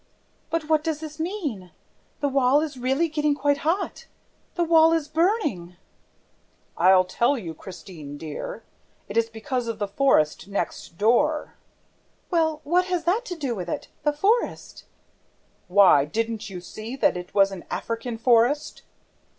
"But what does this mean? ... The wall is really getting quite hot! ... The wall is burning!" "I'll tell you, Christine, dear: it is because of the forest next door." "Well, what has that to do with it? The forest?" "WHY, DIDN'T YOU SEE THAT IT WAS AN AFRICAN FOREST?"